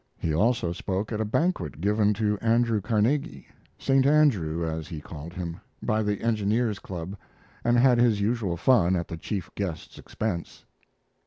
He also spoke at a banquet given to Andrew Carnegie Saint Andrew, as he called him by the Engineers Club, and had his usual fun at the chief guest's expense.